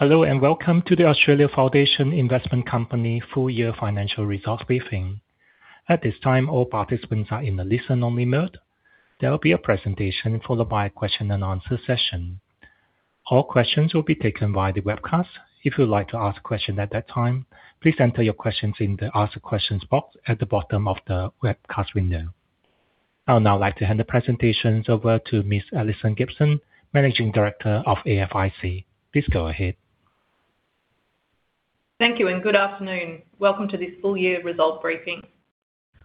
Hello, welcome to the Australian Foundation Investment Company full-year financial results briefing. At this time, all participants are in a listen-only mode. There will be a presentation followed by a question and answer session. All questions will be taken via the webcast. If you would like to ask a question at that time, please enter your questions in the ask a question box at the bottom of the webcast window. I would now like to hand the presentations over to Ms. Alison Gibson, Managing Director of AFIC. Please go ahead. Thank you, good afternoon. Welcome to this full-year result briefing.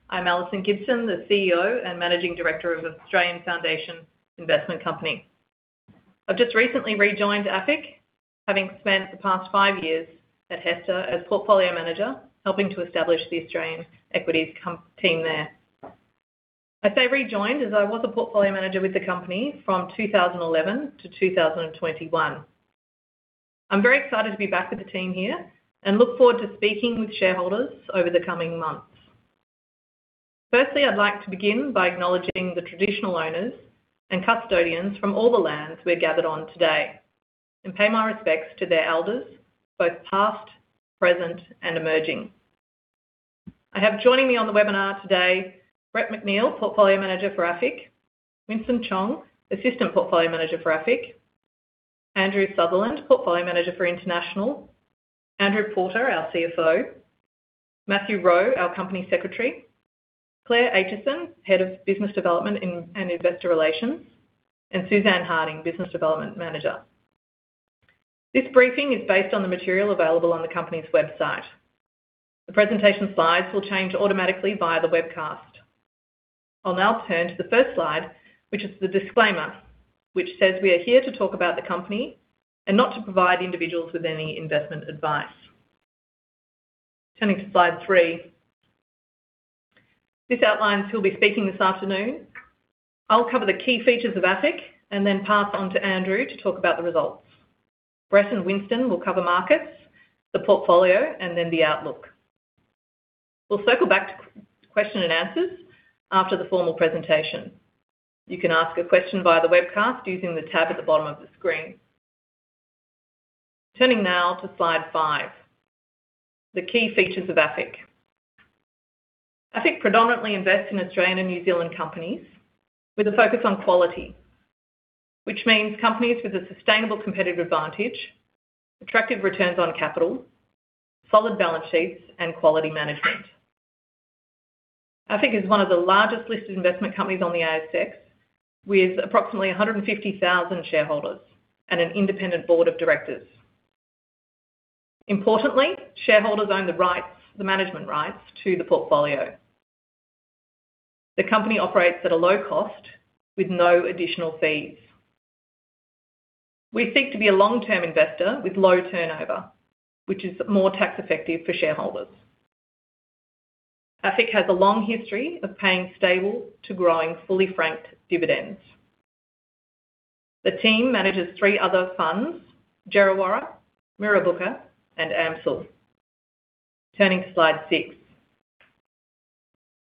I'm Alison Gibson, the Chief Executive Officer and Managing Director of Australian Foundation Investment Company. I've just recently rejoined AFIC, having spent the past five years at HESTA as Portfolio Manager, helping to establish the Australian equities team there. I say rejoined, as I was a Portfolio Manager with the company from 2011-2021. I'm very excited to be back with the team here and look forward to speaking with shareholders over the coming months. Firstly, I'd like to begin by acknowledging the traditional owners and custodians from all the lands we're gathered on today and pay my respects to their elders, both past, present and emerging. I have joining me on the webinar today Brett McNeill, Portfolio Manager for AFIC, Winston Chong, Assistant Portfolio Manager for AFIC, Andrew Sutherland, Portfolio Manager for International, Andrew Porter, our Chief Financial Officer, Matthew Rowe, our Company Secretary, Claire Aitchison, Head of Business Development and Investor Relations, and Suzanne Harding, Business Development Manager. This briefing is based on the material available on the company's website. The presentation slides will change automatically via the webcast. I'll now turn to the first slide, which is the disclaimer, which says we are here to talk about the company and not to provide individuals with any investment advice. Turning to slide three. This outlines who'll be speaking this afternoon. I'll cover the key features of AFIC and then pass on to Andrew to talk about the results. Brett and Winston will cover markets, the portfolio, and then the outlook. We'll circle back to question and answers after the formal presentation. You can ask a question via the webcast using the tab at the bottom of the screen. Turning now to slide five, the key features of AFIC. AFIC predominantly invest in Australian and New Zealand companies with a focus on quality, which means companies with a sustainable competitive advantage, attractive returns on capital, solid balance sheets and quality management. AFIC is one of the largest listed investment companies on the ASX, with approximately 150,000 shareholders and an independent Board of Directors. Importantly, shareholders own the management rights to the portfolio. The company operates at a low cost with no additional fees. We seek to be a long-term investor with low turnover, which is more tax effective for shareholders. AFIC has a long history of paying stable to growing fully franked dividends. The team manages three other funds, Djerriwarrh, Mirrabooka and AMCIL. Turning to slide six,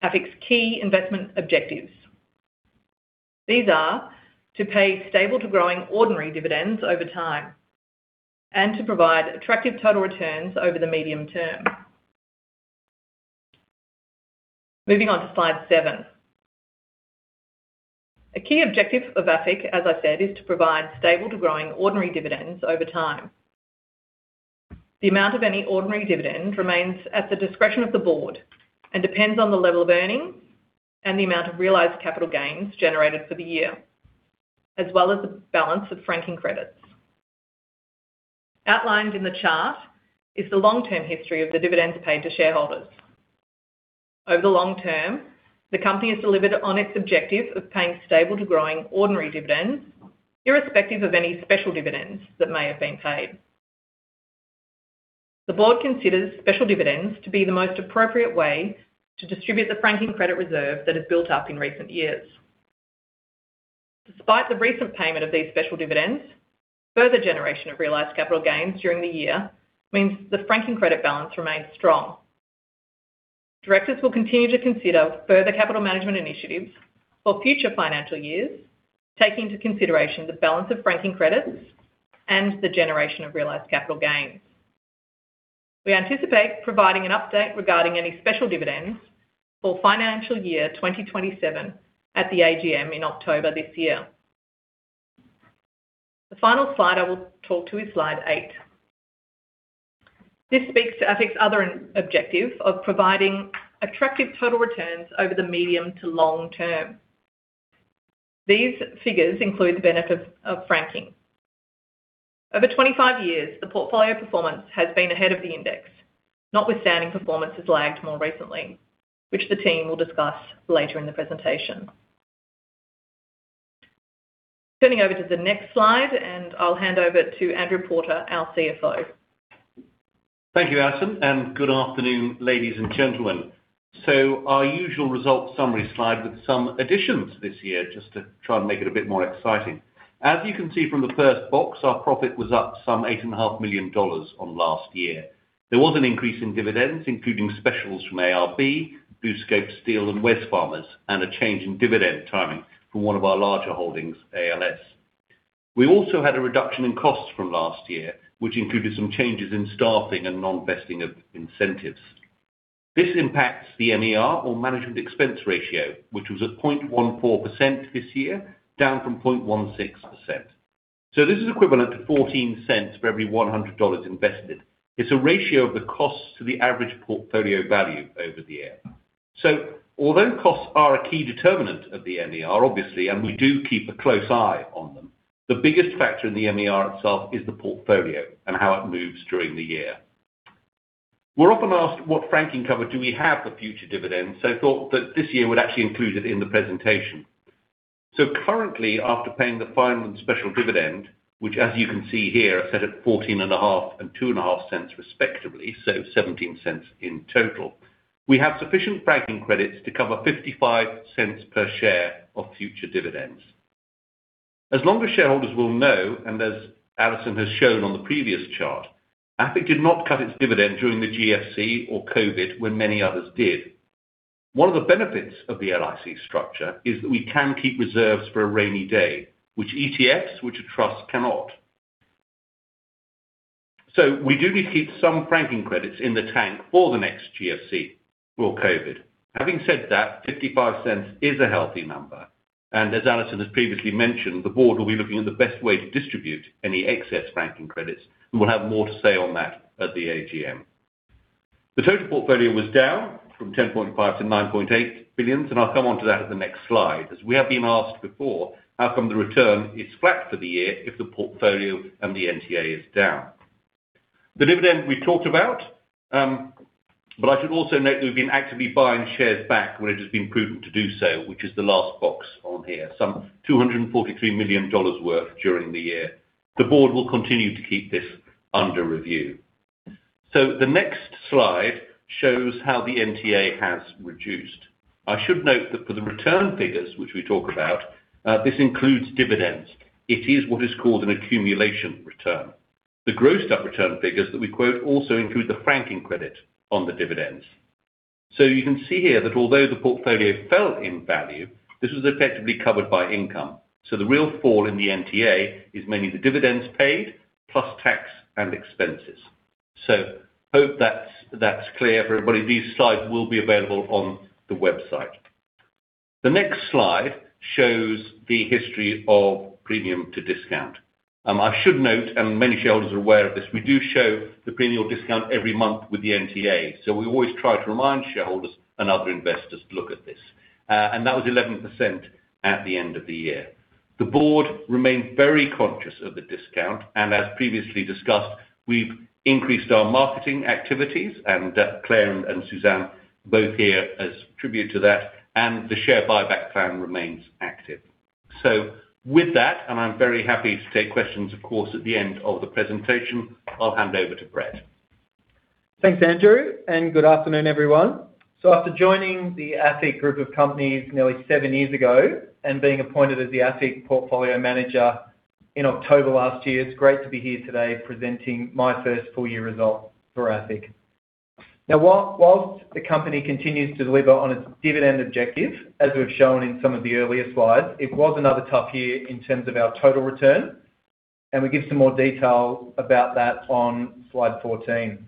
AFIC's key investment objectives. These are to pay stable to growing ordinary dividends over time and to provide attractive total returns over the medium term. Moving on to slide seven. A key objective of AFIC, as I said, is to provide stable to growing ordinary dividends over time. The amount of any ordinary dividend remains at the discretion of the board and depends on the level of earnings and the amount of realized capital gains generated for the year, as well as the balance of franking credits. Outlined in the chart is the long-term history of the dividends paid to shareholders. Over the long term, the company has delivered on its objective of paying stable to growing ordinary dividends, irrespective of any special dividends that may have been paid. The board considers special dividends to be the most appropriate way to distribute the franking credit reserve that has built up in recent years. Despite the recent payment of these special dividends, further generation of realized capital gains during the year means the franking credit balance remains strong. Directors will continue to consider further capital management initiatives for future financial years, taking into consideration the balance of franking credits and the generation of realized capital gains. We anticipate providing an update regarding any special dividends for financial year 2027 at the AGM in October this year. The final slide I will talk to is slide eight. This speaks to AFIC's other objective of providing attractive total returns over the medium to long term. These figures include the benefit of franking. Over 25 years, the portfolio performance has been ahead of the index, notwithstanding performance has lagged more recently, which the team will discuss later in the presentation. Turning over to the next slide, I'll hand over to Andrew Porter, our Chief Financial Officer. Thank you, Alison, and good afternoon, ladies and gentlemen. Our usual results summary slide with some additions this year just to try and make it a bit more exciting. As you can see from the first box, our profit was up some 8.5 million dollars on last year. There was an increase in dividends, including specials from ARB, BlueScope Steel, and Wesfarmers, and a change in dividend timing from one of our larger holdings, ALS. We also had a reduction in costs from last year, which included some changes in staffing and non-vesting of incentives. This impacts the MER or management expense ratio, which was at 0.14% this year, down from 0.16%. This is equivalent to 0.14 for every 100 dollars invested. It's a ratio of the cost to the average portfolio value over the year. Although costs are a key determinant of the MER, obviously, and we do keep a close eye on them, the biggest factor in the MER itself is the portfolio and how it moves during the year. We're often asked what franking cover do we have for future dividends, thought that this year we'd actually include it in the presentation. Currently, after paying the final and special dividend, which as you can see here are set at 0.145 and 0.025 respectively, 0.17 in total. We have sufficient franking credits to cover 0.55 per share of future dividends. As longer shareholders will know, and as Alison has shown on the previous chart, AFIC did not cut its dividend during the GFC or COVID when many others did. One of the benefits of the LIC structure is that we can keep reserves for a rainy day, which ETFs, which a trust cannot. We do need to keep some franking credits in the tank for the next GFC or COVID. Having said that, 0.55 is a healthy number, and as Alison has previously mentioned, the board will be looking at the best way to distribute any excess franking credits, and we'll have more to say on that at the AGM. The total portfolio was down from 10.5 billion-9.8 billion, I'll come onto that at the next slide, as we have been asked before how come the return is flat for the year if the portfolio and the NTA is down. The dividend we talked about, I should also note we've been actively buying shares back when it has been proven to do so, which is the last box on here, some 243 million dollars worth during the year. The board will continue to keep this under review. The next slide shows how the NTA has reduced. I should note that for the return figures, which we talk about, this includes dividends. It is what is called an accumulation return. The grossed-up return figures that we quote also include the franking credit on the dividends. You can see here that although the portfolio fell in value, this was effectively covered by income. The real fall in the NTA is mainly the dividends paid, plus tax and expenses. Hope that's clear, everybody. These slides will be available on the website. The next slide shows the history of premium to discount. I should note, and many shareholders are aware of this, we do show the premium discount every month with the NTAs. We always try to remind shareholders and other investors to look at this. That was 11% at the end of the year. The board remained very conscious of the discount, and as previously discussed, we've increased our marketing activities, and Claire and Suzanne both here as tribute to that, and the share buyback plan remains active. With that, and I'm very happy to take questions, of course, at the end of the presentation. I'll hand over to Brett. Thanks, Andrew, good afternoon, everyone. After joining the AFIC group of companies nearly seven years ago and being appointed as the AFIC portfolio manager in October last year, it's great to be here today presenting my first full-year result for AFIC. Whilst the company continues to deliver on its dividend objective, as we've shown in some of the earlier slides, it was another tough year in terms of our total return, and we give some more detail about that on slide 14.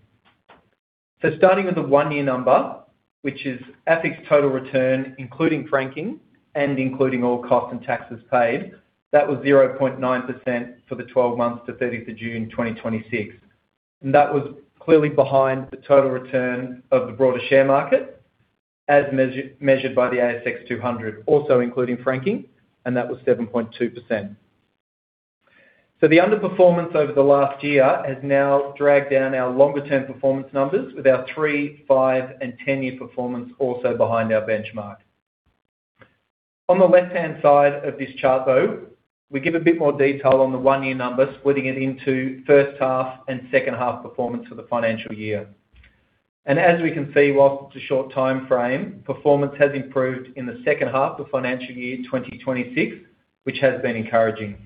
Starting with the one-year number, which is AFIC's total return, including franking and including all costs and taxes paid, that was 0.9% for the 12 months to June 30th, 2026. That was clearly behind the total return of the broader share market as measured by the ASX 200, also including franking, and that was 7.2%. The underperformance over the last year has now dragged down our longer-term performance numbers with our three-year, five-year, and 10-year performance also behind our benchmark. On the left-hand side of this chart, though, we give a bit more detail on the one-year number, splitting it into first half and second half performance for the financial year. As we can see, whilst it's a short timeframe, performance has improved in the second half of financial year 2026, which has been encouraging.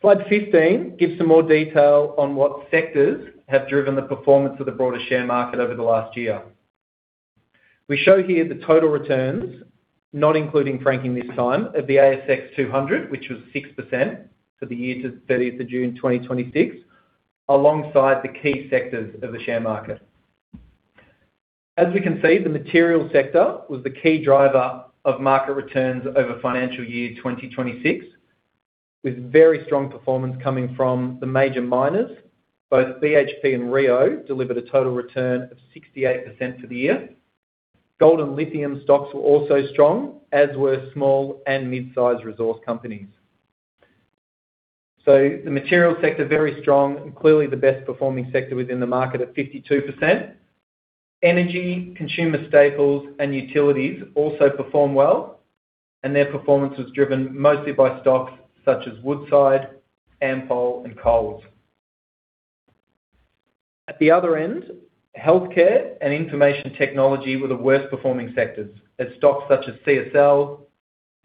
Slide 15 gives some more detail on what sectors have driven the performance of the broader share market over the last year. We show here the total returns, not including franking this time, of the ASX 200, which was 6% for the year to June 30th, 2026, alongside the key sectors of the share market. As we can see, the material sector was the key driver of market returns over financial year 2026, with very strong performance coming from the major miners. Both BHP and Rio delivered a total return of 68% for the year. Gold and lithium stocks were also strong, as were small and mid-size resource companies. The material sector, very strong and clearly the best performing sector within the market at 52%. Energy, consumer staples, and utilities also performed well, and their performance was driven mostly by stocks such as Woodside, Ampol, and Coles. At the other end, healthcare and information technology were the worst-performing sectors, as stocks such as CSL,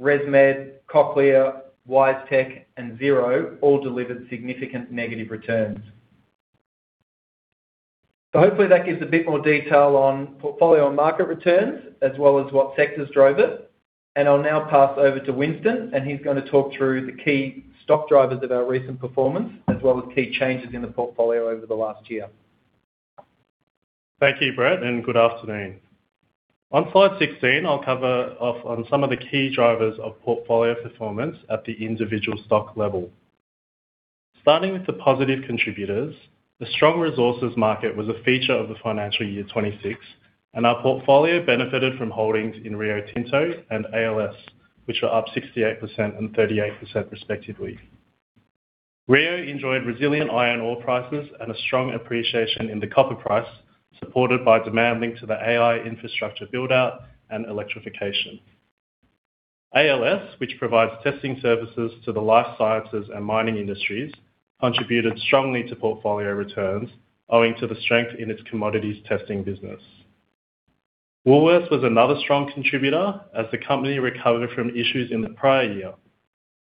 ResMed, Cochlear, WiseTech, and Xero all delivered significant negative returns. Hopefully that gives a bit more detail on portfolio market returns as well as what sectors drove it. I'll now pass over to Winston, he's going to talk through the key stock drivers of our recent performance, as well as key changes in the portfolio over the last year. Thank you, Brett, and good afternoon. On slide 16, I'll cover off on some of the key drivers of portfolio performance at the individual stock level. Starting with the positive contributors, the strong resources market was a feature of the financial year 2026, and our portfolio benefited from holdings in Rio Tinto and ALS, which were up 68% and 38% respectively. Rio enjoyed resilient iron ore prices and a strong appreciation in the copper price, supported by demand linked to the AI infrastructure build-out and electrification. ALS, which provides testing services to the life sciences and mining industries, contributed strongly to portfolio returns owing to the strength in its commodities testing business. Woolworths was another strong contributor as the company recovered from issues in the prior year.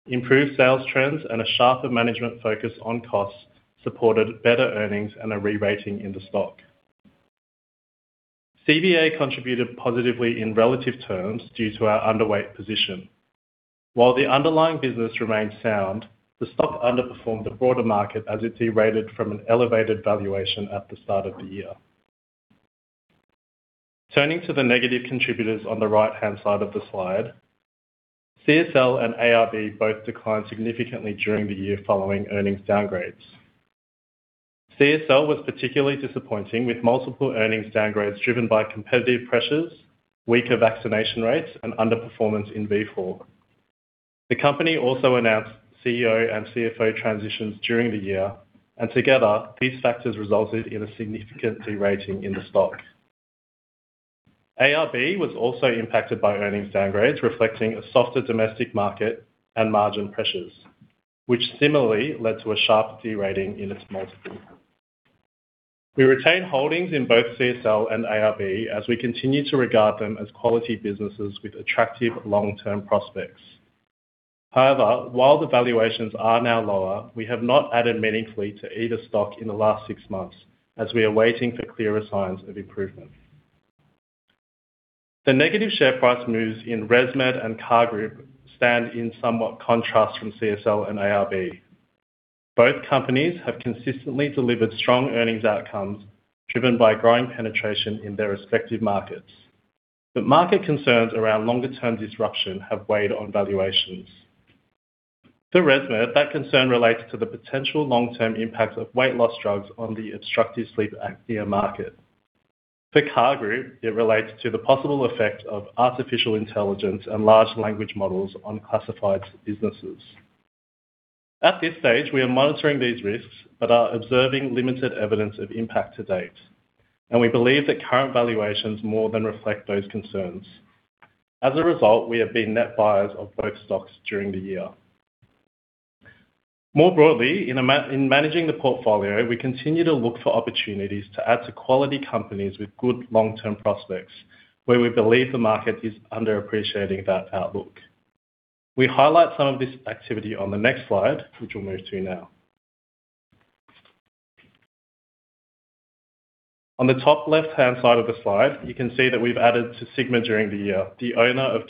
Improved sales trends and a sharper management focus on costs supported better earnings and a re-rating in the stock. CBA contributed positively in relative terms due to our underweight position. While the underlying business remained sound, the stock underperformed the broader market as it de-rated from an elevated valuation at the start of the year. Turning to the negative contributors on the right-hand side of the slide, CSL and ARB both declined significantly during the year following earnings downgrades. CSL was particularly disappointing, with multiple earnings downgrades driven by competitive pressures, weaker vaccination rates, and underperformance in Vifor. The company also announced Chief Executive Officer and Chief Financial Officer transitions during the year, and together, these factors resulted in a significant de-rating in the stock. ARB was also impacted by earnings downgrades, reflecting a softer domestic market and margin pressures, which similarly led to a sharp de-rating in its multiple. We retain holdings in both CSL and ARB as we continue to regard them as quality businesses with attractive long-term prospects. While the valuations are now lower, we have not added meaningfully to either stock in the last six months as we are waiting for clearer signs of improvement. The negative share price moves in ResMed and CAR Group stand in somewhat contrast from CSL and ARB. Both companies have consistently delivered strong earnings outcomes driven by growing penetration in their respective markets, but market concerns around longer-term disruption have weighed on valuations. For ResMed, that concern relates to the potential long-term impact of weight loss drugs on the obstructive sleep apnea market. For CAR Group, it relates to the possible effect of artificial intelligence and large language models on classifieds businesses. At this stage, we are monitoring these risks but are observing limited evidence of impact to date, and we believe that current valuations more than reflect those concerns. We have been net buyers of both stocks during the year. In managing the portfolio, we continue to look for opportunities to add to quality companies with good long-term prospects where we believe the market is underappreciating that outlook. We highlight some of this activity on the next slide, which we'll move to now. On the top left-hand side of the slide, you can see that we've added to Sigma during the year, the owner of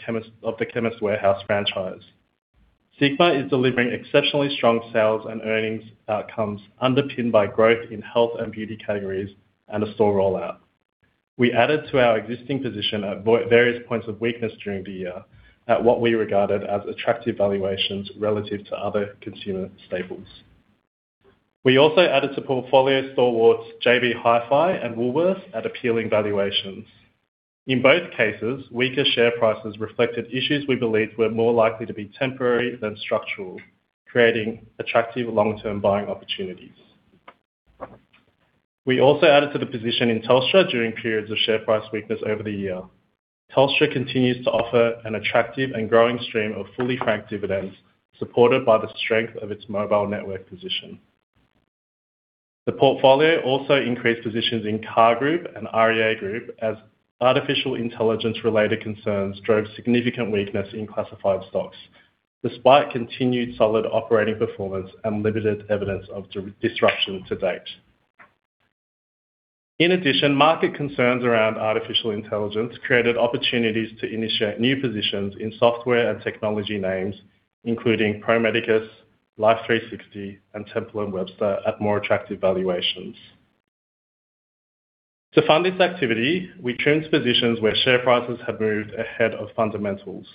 the Chemist Warehouse franchise. Sigma is delivering exceptionally strong sales and earnings outcomes underpinned by growth in health and beauty categories and a store rollout. We added to our existing position at various points of weakness during the year at what we regarded as attractive valuations relative to other consumer staples. We also added to portfolio stalwarts JB Hi-Fi and Woolworths at appealing valuations. In both cases, weaker share prices reflected issues we believed were more likely to be temporary than structural, creating attractive long-term buying opportunities. We also added to the position in Telstra during periods of share price weakness over the year. Telstra continues to offer an attractive and growing stream of fully franked dividends, supported by the strength of its mobile network position. The portfolio also increased positions in CAR Group and REA Group as artificial intelligence-related concerns drove significant weakness in classified stocks, despite continued solid operating performance and limited evidence of disruption to date. In addition, market concerns around artificial intelligence created opportunities to initiate new positions in software and technology names, including Pro Medicus, Life360, and Temple & Webster at more attractive valuations. To fund this activity, we trimmed positions where share prices have moved ahead of fundamentals.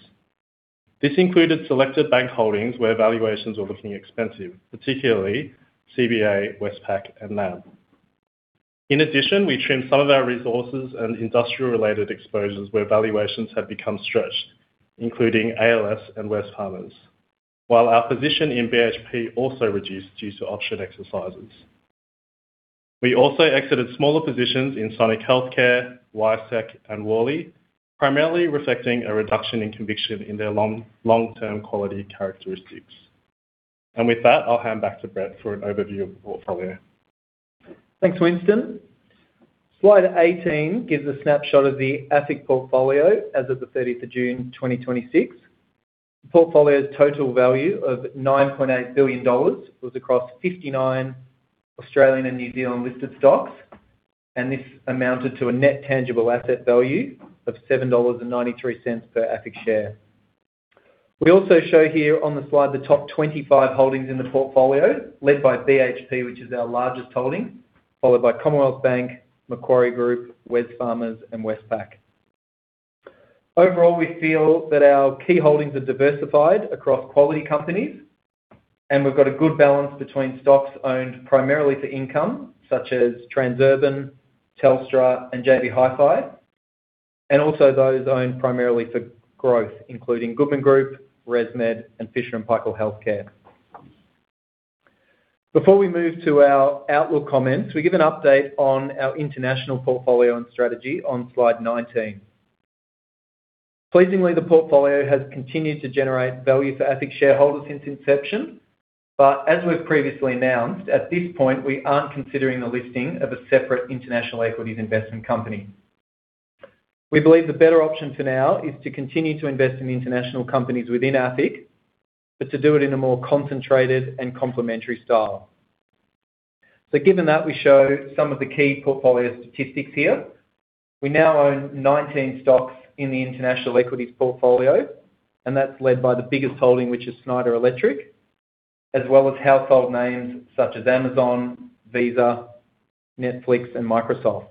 This included selected bank holdings where valuations were looking expensive, particularly CBA, Westpac, and NAB. In addition, we trimmed some of our resources and industrial-related exposures where valuations have become stretched, including ALS and Wesfarmers. Our position in BHP also reduced due to option exercises. We also exited smaller positions in Sonic Healthcare, WiseTech, and Worley, primarily reflecting a reduction in conviction in their long-term quality characteristics. With that, I'll hand back to Brett for an overview of the portfolio. Thanks, Winston. Slide 18 gives a snapshot of the AFIC portfolio as of the June 30th, 2026. The portfolio's total value of 9.8 billion dollars was across 59 Australian and New Zealand listed stocks, and this amounted to a net tangible asset value of 7.93 dollars per AFIC share. We also show here on the slide the top 25 holdings in the portfolio led by BHP, which is our largest holding, followed by Commonwealth Bank, Macquarie Group, Wesfarmers and Westpac. Overall, we feel that our key holdings are diversified across quality companies, we've got a good balance between stocks owned primarily for income, such as Transurban, Telstra and JB Hi-Fi, and also those owned primarily for growth, including Goodman Group, ResMed and Fisher & Paykel Healthcare. Before we move to our outlook comments, we give an update on our international portfolio and strategy on slide 19. Pleasingly, the portfolio has continued to generate value for AFIC shareholders since inception. As we've previously announced, at this point, we aren't considering the listing of a separate international equities investment company. We believe the better option for now is to continue to invest in the international companies within AFIC, but to do it in a more concentrated and complementary style. Given that, we show some of the key portfolio statistics here. We now own 19 stocks in the international equities portfolio, and that's led by the biggest holding, which is Schneider Electric, as well as household names such as Amazon, Visa, Netflix and Microsoft.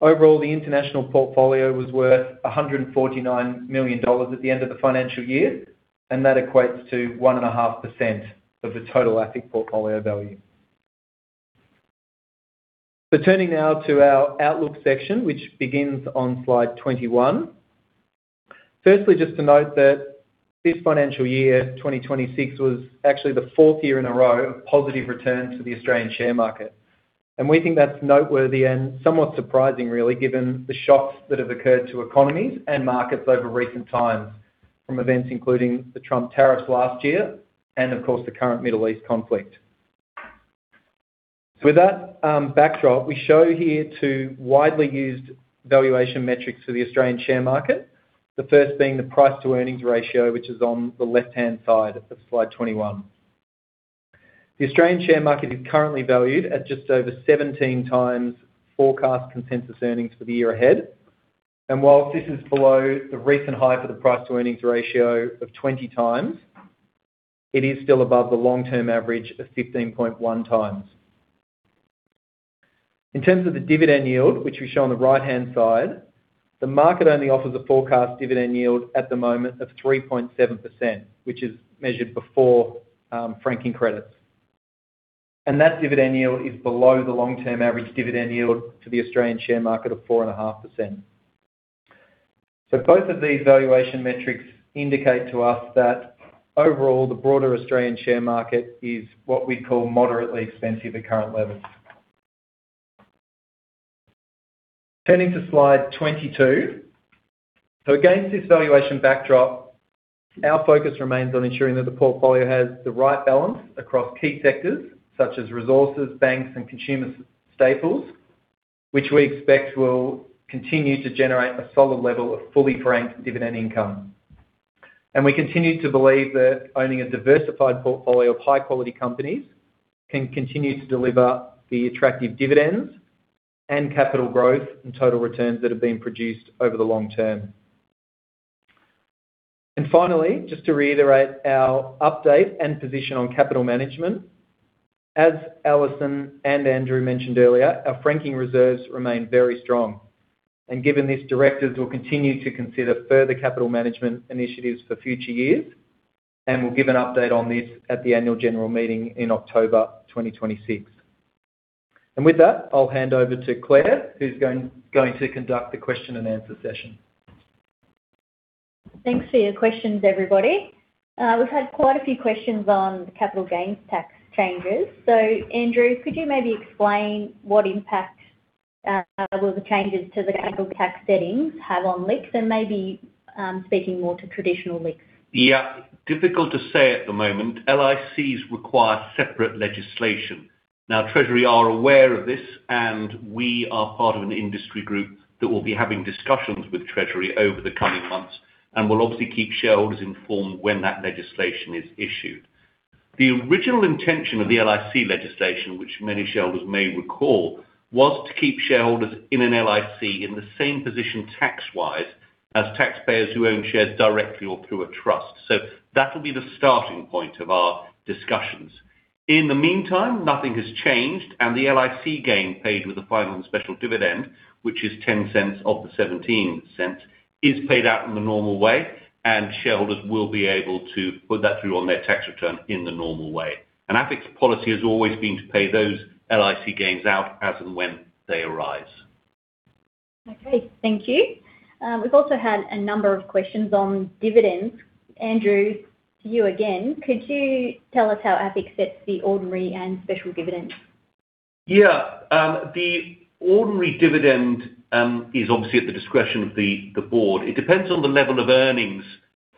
Overall, the international portfolio was worth 149 million dollars at the end of the financial year, and that equates to 1.5% of the total AFIC portfolio value. Turning now to our outlook section, which begins on slide 21. Firstly, just to note that this financial year 2026 was actually the fourth year in a row of positive return for the Australian share market. We think that's noteworthy and somewhat surprising, really, given the shocks that have occurred to economies and markets over recent times from events including the Trump tariffs last year and of course, the current Middle East conflict. With that backdrop, we show here two widely used valuation metrics for the Australian share market. The first being the price-to-earnings ratio, which is on the left-hand side of slide 21. The Australian share market is currently valued at just over 17x forecast consensus earnings for the year ahead, and whilst this is below the recent high for the price-to-earnings ratio of 20x, it is still above the long-term average of 15.1x. In terms of the dividend yield, which we show on the right-hand side, the market only offers a forecast dividend yield at the moment of 3.7%, which is measured before franking credits. That dividend yield is below the long-term average dividend yield for the Australian share market of 4.5%. Both of these valuation metrics indicate to us that overall, the broader Australian share market is what we call moderately expensive at current levels. Turning to slide 22. Against this valuation backdrop, our focus remains on ensuring that the portfolio has the right balance across key sectors such as resources, banks and consumer staples, which we expect will continue to generate a solid level of fully franked dividend income. We continue to believe that owning a diversified portfolio of high-quality companies can continue to deliver the attractive dividends and capital growth and total returns that have been produced over the long term. Finally, just to reiterate our update and position on capital management. As Alison and Andrew mentioned earlier, our franking reserves remain very strong. Given this, directors will continue to consider further capital management initiatives for future years, and we'll give an update on this at the annual general meeting in October 2026. With that, I'll hand over to Claire, who's going to conduct the question and answer session. Thanks for your questions, everybody. We've had quite a few questions on the capital gains tax changes. Andrew, could you maybe explain what impact will the changes to the capital gains tax settings have on LICs and maybe speaking more to traditional LICs? Yeah. Difficult to say at the moment. LICs require separate legislation. Treasury are aware of this, and we are part of an industry group that will be having discussions with Treasury over the coming months, and we will obviously keep shareholders informed when that legislation is issued. The original intention of the LIC legislation, which many shareholders may recall, was to keep shareholders in an LIC in the same position tax-wise as taxpayers who own shares directly or through a trust. That will be the starting point of our discussions. In the meantime, nothing has changed, and the LIC capital gain paid with the final and special dividend, which is 0.10 of the 0.17, is paid out in the normal way, and shareholders will be able to put that through on their tax return in the normal way. AFIC's policy has always been to pay those LIC capital gains out as and when they arise. Okay. Thank you. We've also had a number of questions on dividends. Andrew, to you again. Could you tell us how AFIC sets the ordinary and special dividends? The ordinary dividend is obviously at the discretion of the board. It depends on the level of earnings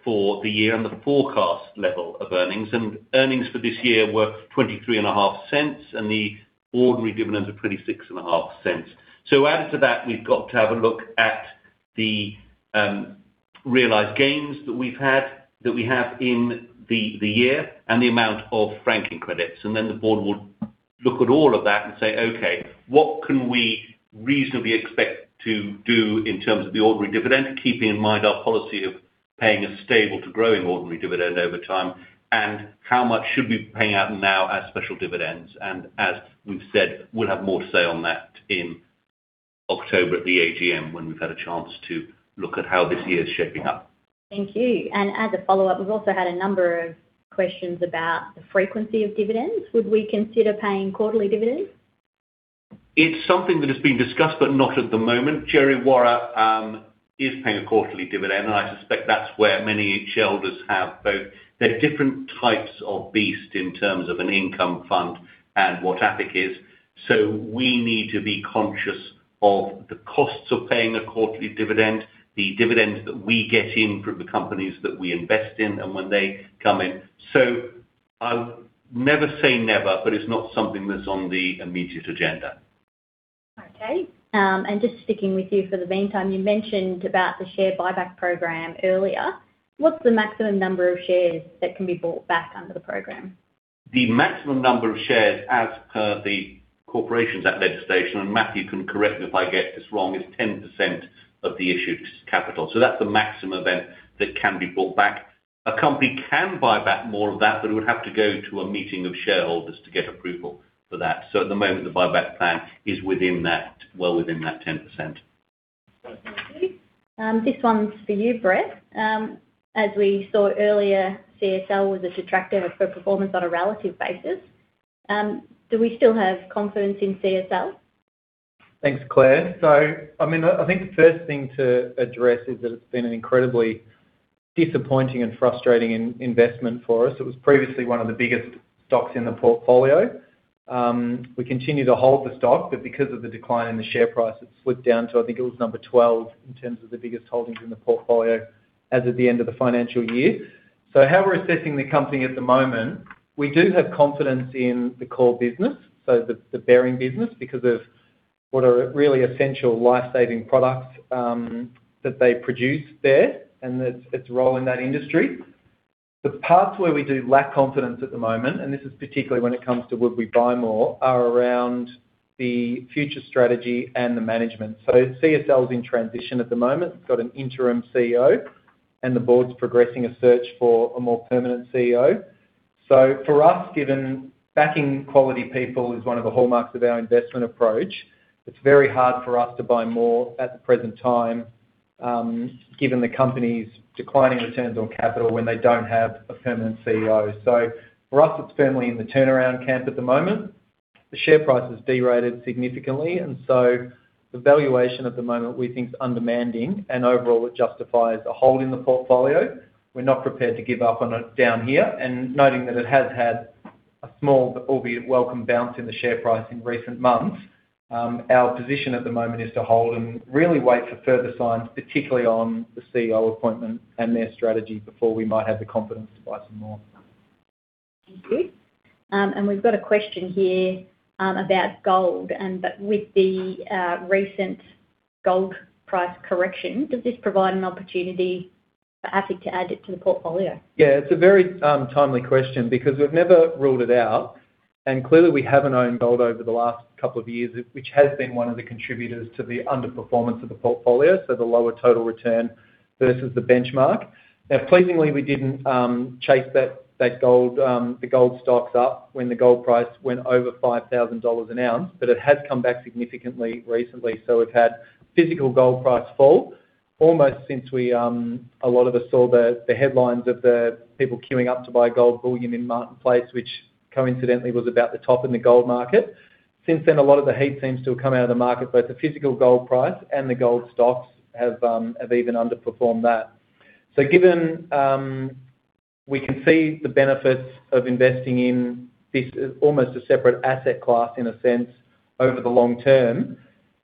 for the year and the forecast level of earnings. Earnings for this year were 0.235, and the ordinary dividends are 0.265. Added to that, we've got to have a look at the realized gains that we've had, that we have in the year, and the amount of franking credits. The board will look at all of that and say, "Okay, what can we reasonably expect to do in terms of the ordinary dividend?" Keeping in mind our policy of paying a stable to growing ordinary dividend over time, and how much should we be paying out now as special dividends. As we've said, we'll have more to say on that in October at the AGM when we've had a chance to look at how this year is shaping up. Thank you. As a follow-up, we've also had a number of questions about the frequency of dividends. Would we consider paying quarterly dividends? It's something that has been discussed, but not at the moment. Djerriwarrh is paying a quarterly dividend, and I suspect that's where many shareholders have both. They're different types of beast in terms of an income fund and what AFIC is, we need to be conscious of the costs of paying a quarterly dividend, the dividends that we get in from the companies that we invest in, and when they come in. I would never say never, but it's not something that's on the immediate agenda. Okay. Just sticking with you for the meantime, you mentioned about the share buyback program earlier. What's the maximum number of shares that can be bought back under the program? The maximum number of shares as per the Corporations Act legislation, Matthew can correct me if I get this wrong, is 10% of the issued capital. That's the maximum event that can be bought back. A company can buy back more of that, but it would have to go to a meeting of shareholders to get approval for that. At the moment, the buyback plan is well within that 10%. Thank you. This one's for you, Brett. As we saw earlier, CSL was a detractor of performance on a relative basis. Do we still have confidence in CSL? Thanks, Claire. I think the first thing to address is that it's been an incredibly disappointing and frustrating investment for us. It was previously one of the biggest stocks in the portfolio. We continue to hold the stock, but because of the decline in the share price, it's slipped down to, I think it was number 12 in terms of the biggest holdings in the portfolio as of the end of the financial year. How we're assessing the company at the moment, we do have confidence in the core business, the Behring business because of what are really essential life-saving products that they produce there and its role in that industry. The parts where we do lack confidence at the moment, this is particularly when it comes to would we buy more, are around the future strategy and the management. CSL's in transition at the moment. It's got an interim Chief Executive Officer, the board's progressing a search for a more permanent Chief Executive Officer. For us, given backing quality people is one of the hallmarks of our investment approach, it's very hard for us to buy more at the present time, given the company's declining returns on capital when they don't have a permanent Chief Executive Officer. For us, it's firmly in the turnaround camp at the moment. The share price has derated significantly, the valuation at the moment we think is undemanding, overall it justifies a hold in the portfolio. We're not prepared to give up on it down here, noting that it has had a small albeit welcome bounce in the share price in recent months. Our position at the moment is to hold and really wait for further signs, particularly on the Chief Executive Officer appointment and their strategy, before we might have the confidence to buy some more. Thank you. We've got a question here about gold, with the recent gold price correction, does this provide an opportunity for AFIC to add it to the portfolio? It's a very timely question because we've never ruled it out, clearly we haven't owned gold over the last couple of years, which has been one of the contributors to the underperformance of the portfolio. The lower total return versus the benchmark. Pleasingly, we didn't chase the gold stocks up when the gold price went over 5,000 dollars an ounce, it has come back significantly recently. We've had physical gold price fall almost since a lot of us saw the headlines of the people queuing up to buy gold bullion in Martin Place, which coincidentally was about the top in the gold market. Since then, a lot of the heat seems to have come out of the market, both the physical gold price and the gold stocks have even underperformed that. Given we can see the benefits of investing in this almost a separate asset class, in a sense, over the long term,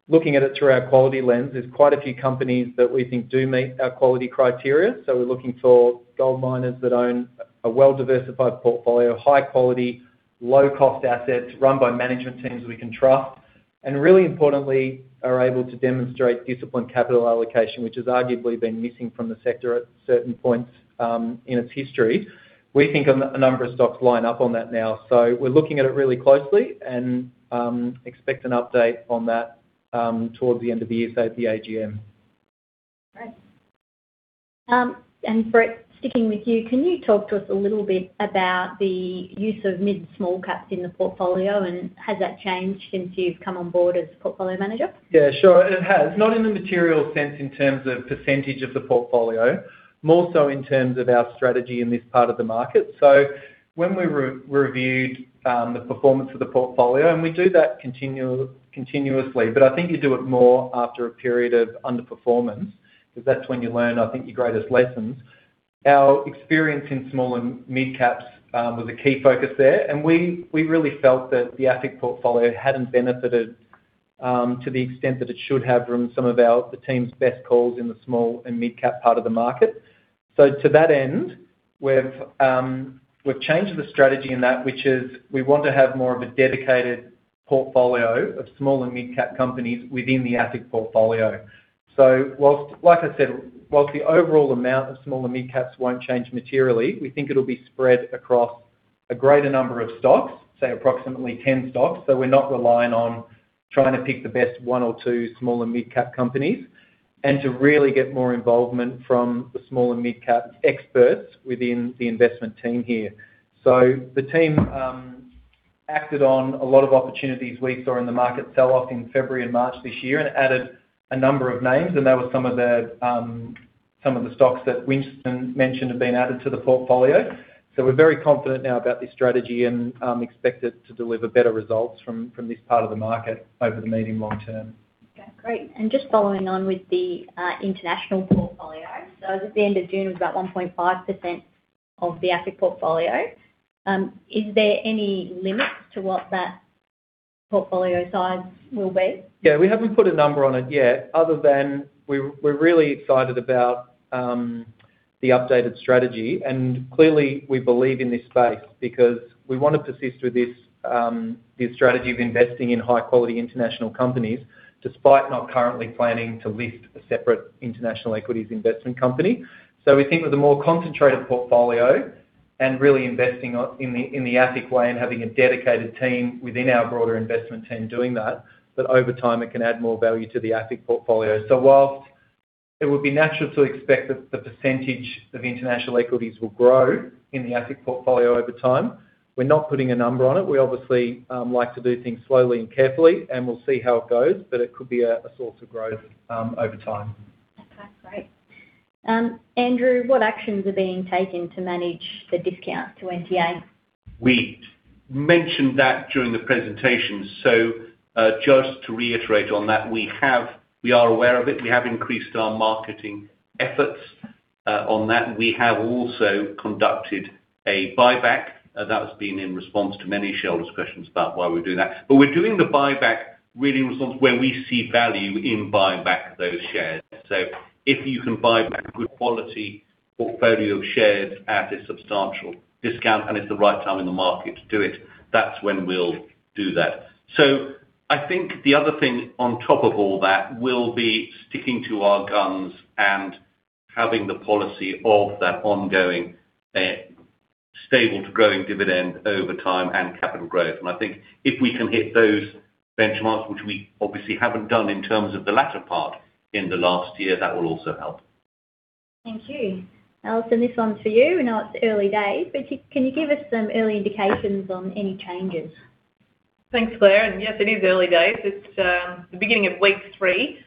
looking at it through our quality lens, there is quite a few companies that we think do meet our quality criteria. We are looking for gold miners that own a well-diversified portfolio of high-quality, low-cost assets run by management teams we can trust, and really importantly, are able to demonstrate disciplined capital allocation, which has arguably been missing from the sector at certain points in its history. We think a number of stocks line up on that now. We are looking at it really closely and expect an update on that towards the end of the year, so at the AGM. Great. Brett, sticking with you, can you talk to us a little bit about the use of mid and small caps in the portfolio, and has that changed since you have come on board as portfolio manager? It has. Not in a material sense in terms of percentage of the portfolio, more so in terms of our strategy in this part of the market. When we reviewed the performance of the portfolio, and we do that continuously, but I think you do it more after a period of underperformance, because that is when you learn, I think, your greatest lessons. Our experience in small and mid-caps was a key focus there, and we really felt that the AFIC portfolio had not benefited to the extent that it should have from some of the team's best calls in the small and mid-cap part of the market. To that end, we have changed the strategy in that, which is we want to have more of a dedicated portfolio of small and mid-cap companies within the AFIC portfolio. Like I said, whilst the overall amount of small and mid-caps will not change materially, we think it will be spread across a greater number of stocks, say approximately 10 stocks. We are not relying on trying to pick the best one or two small and mid-cap companies, and to really get more involvement from the small and mid-cap experts within the investment team here. The team acted on a lot of opportunities we saw in the market sell-off in February and March this year and added a number of names, and they were some of the stocks that Winston mentioned have been added to the portfolio. We are very confident now about this strategy and expect it to deliver better results from this part of the market over the medium long term. Okay, great. Just following on with the international portfolio. As at the end of June, it was about 1.5% of the AFIC portfolio. Is there any limit to what that portfolio size will be? Yeah. We haven't put a number on it yet other than we're really excited about the updated strategy. Clearly, we believe in this space because we want to persist with this strategy of investing in high-quality international companies, despite not currently planning to list a separate international equities investment company. We think with a more concentrated portfolio and really investing in the AFIC way and having a dedicated team within our broader investment team doing that over time it can add more value to the AFIC portfolio. Whilst it would be natural to expect that the percentage of international equities will grow in the AFIC portfolio over time, we're not putting a number on it. We obviously like to do things slowly and carefully, and we'll see how it goes, but it could be a source of growth over time. Okay, great. Andrew, what actions are being taken to manage the discount to NTA? We mentioned that during the presentation. Just to reiterate on that, we are aware of it. We have increased our marketing efforts on that. We have also conducted a buyback, that was being in response to many shareholders' questions about why we're doing that. We're doing the buyback really in response where we see value in buying back those shares. If you can buy back good quality portfolio of shares at a substantial discount and it's the right time in the market to do it, that's when we'll do that. I think the other thing on top of all that will be sticking to our guns and having the policy of that ongoing stable to growing dividend over time and capital growth. If we can hit those benchmarks, which we obviously haven't done in terms of the latter part in the last year, that will also help. Thank you. Alison, this one's for you. I know it's early days, but can you give us some early indications on any changes? Thanks, Claire, yes, it is early days. It's the beginning of week three.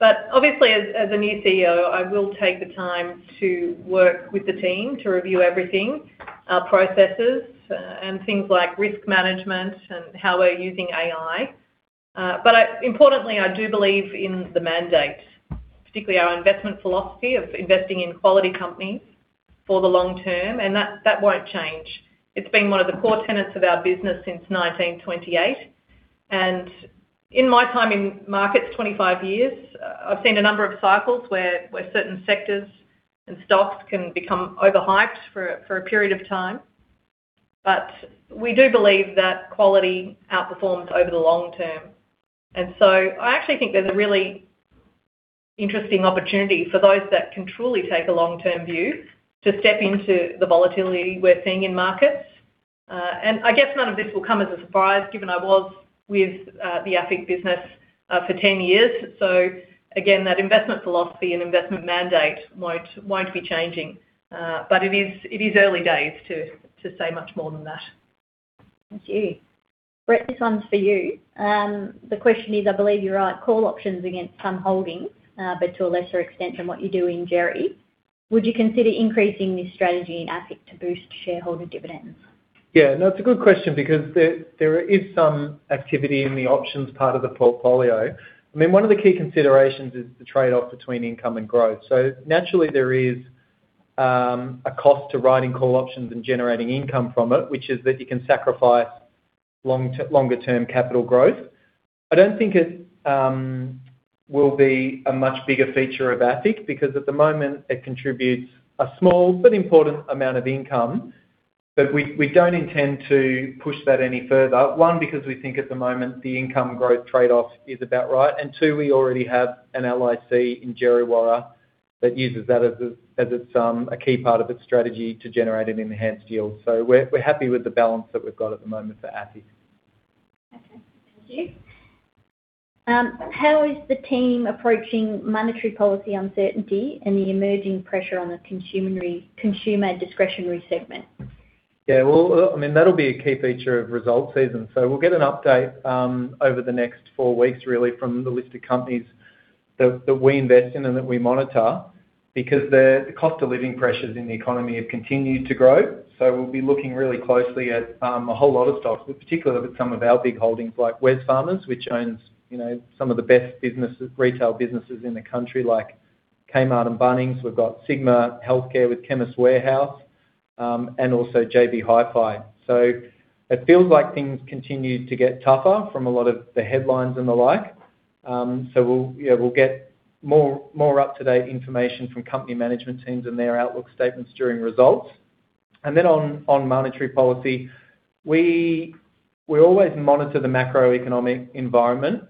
Obviously, as the new Chief Executive Officer, I will take the time to work with the team to review everything, our processes and things like risk management and how we're using AI. Importantly, I do believe in the mandate, particularly our investment philosophy of investing in quality companies for the long term, that won't change. It's been one of the core tenets of our business since 1928. In my time in markets, 25 years, I've seen a number of cycles where certain sectors and stocks can become overhyped for a period of time. We do believe that quality outperforms over the long term. I actually think there's a really interesting opportunity for those that can truly take a long-term view to step into the volatility we're seeing in markets. I guess none of this will come as a surprise given I was with the AFIC business for 10 years. Again, that investment philosophy and investment mandate won't be changing. It is early days to say much more than that. Thank you. Brett, this one's for you. The question is, I believe you write call options against some holdings, but to a lesser extent than what you do in Jarry. Would you consider increasing this strategy in AFIC to boost shareholder dividends? Yeah. No, it's a good question because there is some activity in the options part of the portfolio. One of the key considerations is the trade-off between income and growth. Naturally, there is a cost to writing call options and generating income from it, which is that you can sacrifice longer-term capital growth. I don't think it will be a much bigger feature of AFIC because at the moment it contributes a small but important amount of income. We don't intend to push that any further. One, because we think at the moment the income growth trade-off is about right, and two, we already have an LIC in Djerriwarrh that uses that as a key part of its strategy to generate an enhanced yield. We're happy with the balance that we've got at the moment for AFIC. Okay. Thank you. How is the team approaching monetary policy uncertainty and the emerging pressure on the consumer discretionary segment? Yeah. Well, that'll be a key feature of results season. We'll get an update over the next four weeks, really, from the listed companies that we invest in and that we monitor, because the cost of living pressures in the economy have continued to grow. We'll be looking really closely at a whole lot of stocks, but particularly some of our big holdings like Wesfarmers, which owns some of the best retail businesses in the country, like Kmart and Bunnings. We've got Sigma Healthcare with Chemist Warehouse. Also JB Hi-Fi. It feels like things continue to get tougher from a lot of the headlines and the like. We'll get more up-to-date information from company management teams and their outlook statements during results. On monetary policy, we always monitor the macroeconomic environment,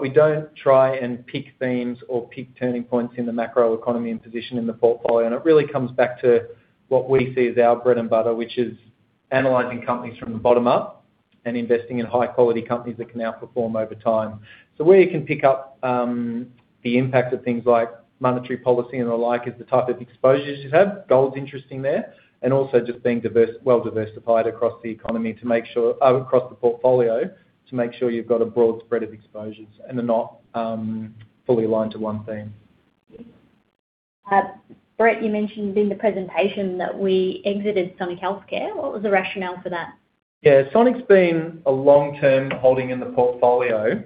we don't try and pick themes or pick turning points in the macroeconomy and position in the portfolio. It really comes back to what we see as our bread and butter, which is analyzing companies from the bottom up and investing in high-quality companies that can outperform over time. Where you can pick up the impact of things like monetary policy and the like is the type of exposures you have. Gold's interesting there. Also just being well-diversified across the economy to make sure across the portfolio to make sure you've got a broad spread of exposures and they're not fully aligned to one theme. Brett, you mentioned in the presentation that we exited Sonic Healthcare. What was the rationale for that? Yeah. Sonic's been a long-term holding in the portfolio,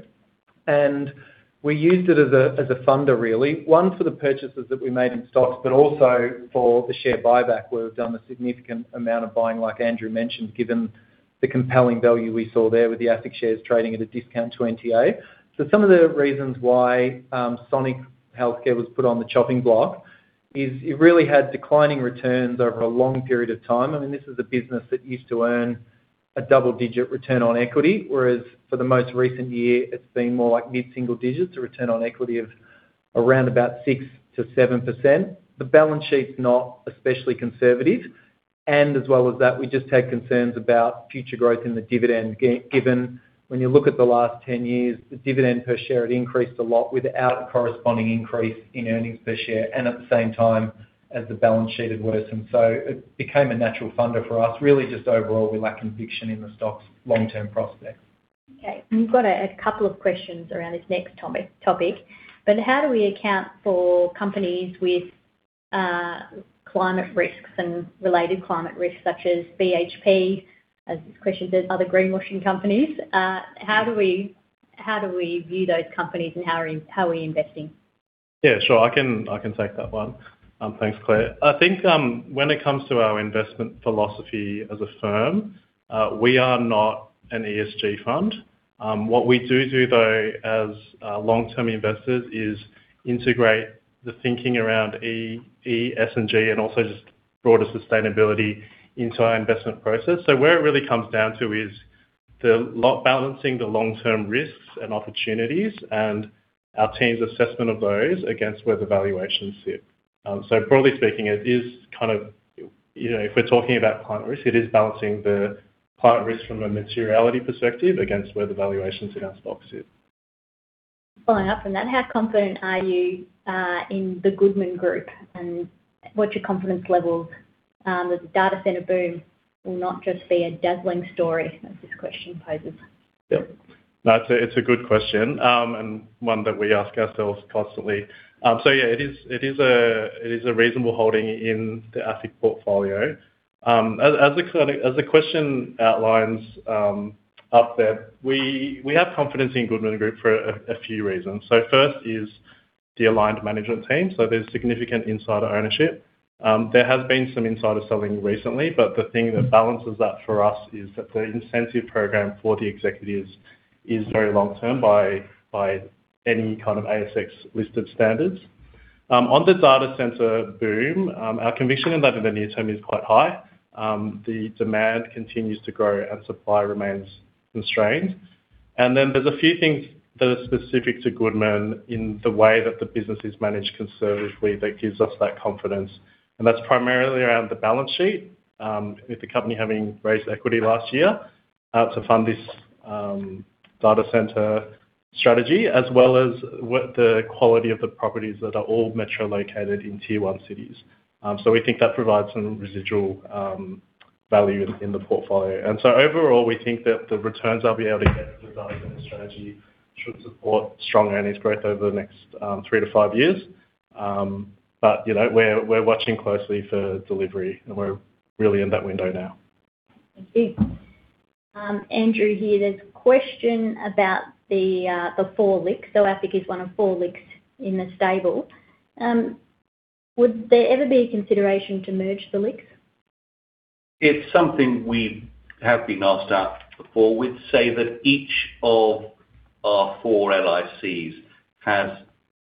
We used it as a funder really. One, for the purchases that we made in stocks, Also for the share buyback, where we've done a significant amount of buying, like Andrew mentioned, given the compelling value we saw there with the AFIC shares trading at a discount to NTA. Some of the reasons why Sonic Healthcare was put on the chopping block is it really had declining returns over a long period of time. This is a business that used to earn a double-digit return on equity, whereas for the most recent year, it's been more like mid-single digits, a return on equity of around about 6%-7%. The balance sheet's not especially conservative. As well as that, we just had concerns about future growth in the dividend, given when you look at the last 10 years, the dividend per share had increased a lot without a corresponding increase in earnings per share, and at the same time as the balance sheet had worsened. It became a natural funder for us. Really just overall, we lack conviction in the stock's long-term prospects. We've got a couple of questions around this next topic. How do we account for companies with climate risks and related climate risks such as BHP? As this question says, are they greenwashing companies? How do we view those companies, and how are we investing? Yeah, sure. I can take that one. Thanks, Claire. I think when it comes to our investment philosophy as a firm, we are not an ESG fund. What we do, though, as long-term investors is integrate the thinking around ESG fund and also just broader sustainability into our investment process. Where it really comes down to is the balancing the long-term risks and opportunities and our team's assessment of those against where the valuations sit. Broadly speaking, it is, if we're talking about climate risk, it is balancing the climate risk from a materiality perspective against where the valuations in our stocks sit. Following up from that, how confident are you in the Goodman Group, and what's your confidence levels that the data center boom will not just be a dazzling story, as this question poses? Yeah. No, it's a good question, and one that we ask ourselves constantly. Yeah, it is a reasonable holding in the AFIC portfolio. As the question outlines up there, we have confidence in Goodman Group for a few reasons. First is the aligned management team. There's significant insider ownership. There has been some insider selling recently, but the thing that balances that for us is that the incentive program for the executives is very long-term by any kind of ASX-listed standards. On the data center boom, our conviction in that in the near term is quite high. The demand continues to grow, and supply remains constrained. There's a few things that are specific to Goodman in the way that the business is managed conservatively that gives us that confidence, and that's primarily around the balance sheet, with the company having raised equity last year to fund this data center strategy, as well as what the quality of the properties that are all metro located in tier 1 cities. We think that provides some residual value in the portfolio. Overall, we think that the returns they'll be able to get from the data center strategy should support strong earnings growth over the next three to five years. We're watching closely for delivery, and we're really in that window now. Thank you. Andrew, here, there's a question about the four LICs. AFIC is one of four LICs in the stable. Would there ever be a consideration to merge the LICs? It's something we have been asked about before. We'd say that each of our four LICs has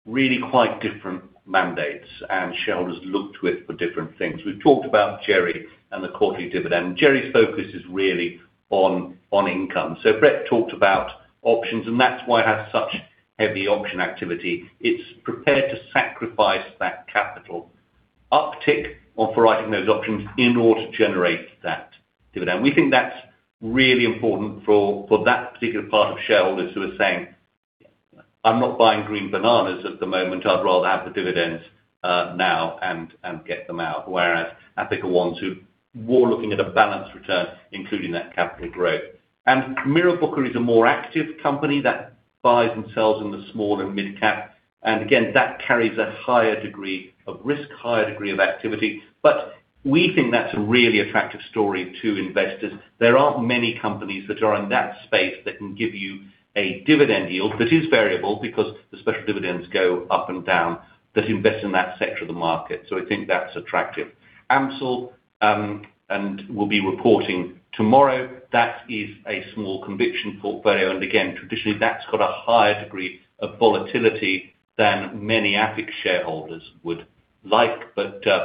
really quite different mandates and shareholders look to it for different things. We've talked about Gerry and the quarterly dividend. Gerry's focus is really on income. Brett talked about options, and that's why it has such heavy option activity. It's prepared to sacrifice that capital uptick on for writing those options in order to generate that dividend. We think that's really important for that particular part of shareholders who are saying, "I'm not buying green bananas at the moment. I'd rather have the dividends now and get them out." Whereas AFIC are ones who are more looking at a balanced return, including that capital growth. Mirrabooka is a more active company that buys and sells in the small and mid-cap. Again, that carries a higher degree of risk, higher degree of activity. We think that's a really attractive story to investors. There aren't many companies that are in that space that can give you a dividend yield that is variable because the special dividends go up and down that invest in that sector of the market. We think that's attractive. AMCIL will be reporting tomorrow. That is a small conviction portfolio, and again, traditionally, that's got a higher degree of volatility than many AFIC shareholders would like.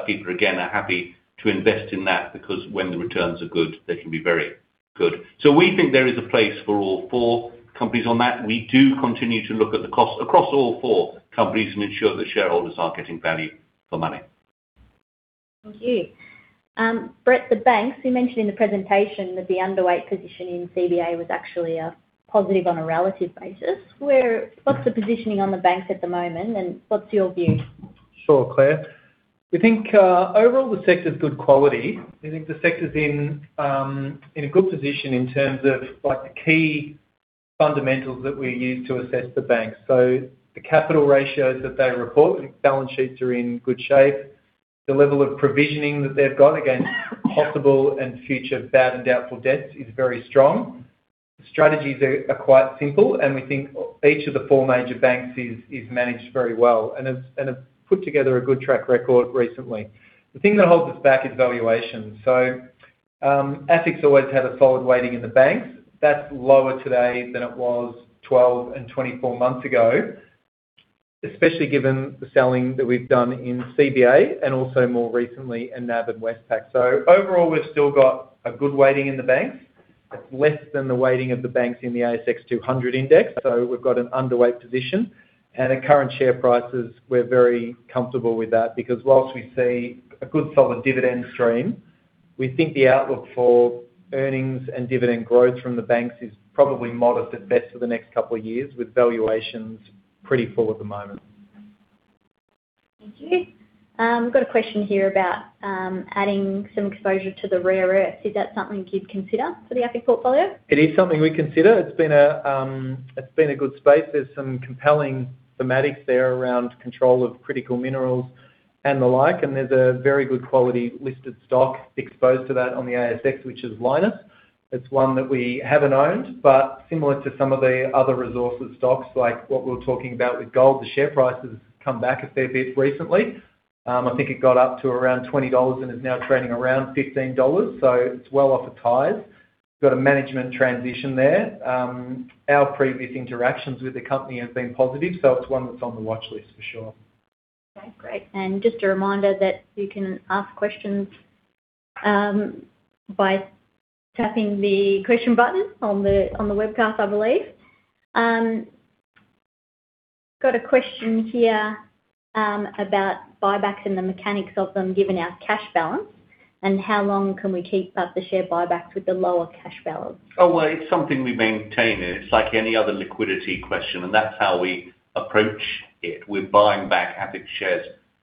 People, again, are happy to invest in that because when the returns are good, they can be very good. We think there is a place for all four companies on that. We do continue to look at the cost across all four companies and ensure that shareholders are getting value for money. Thank you. Brett, the banks, you mentioned in the presentation that the underweight position in CBA was actually a positive on a relative basis. What's the positioning on the banks at the moment, and what's your view? Sure, Claire. We think overall, the sector's good quality. We think the sector's in a good position in terms of the key fundamentals that we use to assess the banks. The capital ratios that they report, balance sheets are in good shape. The level of provisioning that they've got against possible and future bad and doubtful debts is very strong. Strategies are quite simple, and we think each of the four major banks is managed very well and have put together a good track record recently. The thing that holds us back is valuation. AFIC always had a solid weighting in the banks. That's lower today than it was 12 months and 24 months ago, especially given the selling that we've done in CBA and also more recently in NAB and Westpac. Overall, we've still got a good weighting in the banks. It's less than the weighting of the banks in the ASX 200 index, we've got an underweight position. At current share prices, we're very comfortable with that, because whilst we see a good, solid dividend stream, we think the outlook for earnings and dividend growth from the banks is probably modest at best for the next couple of years, with valuations pretty full at the moment. Thank you. We've got a question here about adding some exposure to the rare earths. Is that something you'd consider for the AFIC portfolio? It is something we consider. It's been a good space. There's some compelling thematics there around control of critical minerals and the like. There's a very good quality listed stock exposed to that on the ASX, which is Lynas. It's one that we haven't owned. Similar to some of the other resources stocks, like what we were talking about with gold, the share price has come back a fair bit recently. I think it got up to around 20 dollars and is now trading around 15 dollars, so it's well off the highs. Got a management transition there. Our previous interactions with the company have been positive, so it's one that's on the watchlist for sure. Okay, great. Just a reminder that you can ask questions by tapping the question button on the webcast, I believe. Got a question here about buybacks and the mechanics of them, given our cash balance. How long can we keep up the share buybacks with the lower cash balance? Well, it's something we maintain. It's like any other liquidity question. That's how we approach it. We're buying back AFIC shares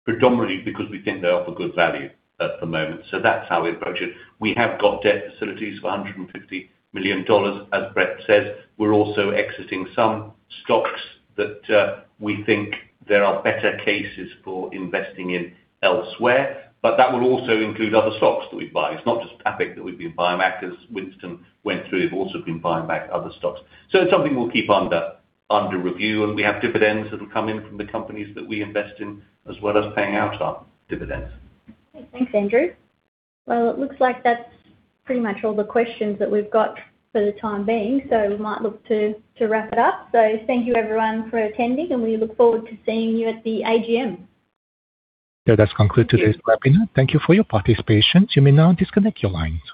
predominantly because we think they offer good value at the moment. That's how we approach it. We have got debt facilities for 150 million dollars, as Brett says. We're also exiting some stocks that we think there are better cases for investing in elsewhere. That will also include other stocks that we buy. It's not just AFIC that we've been buying back as Winston went through. We've also been buying back other stocks. It's something we'll keep under review. We have dividends that'll come in from the companies that we invest in, as well as paying out our dividends. Thanks, Andrew. It looks like that's pretty much all the questions that we've got for the time being, so we might look to wrap it up. Thank you everyone for attending, and we look forward to seeing you at the AGM. That concludes today's webinar. Thank you for your participation. You may now disconnect your line.